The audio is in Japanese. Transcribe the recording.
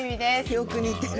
よく似てる。